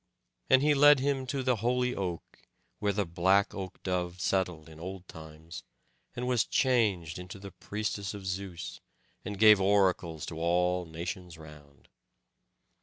And he led him to the holy oak, where the black dove settled in old times, and was changed into the priestess of Zeus, and gave oracles to all nations round.